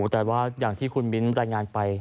แต่ว่าอย่างที่คุณมิ้นรายงานไป